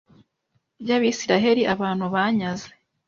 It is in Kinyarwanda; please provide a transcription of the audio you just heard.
ry Abisirayeli abantu banyaze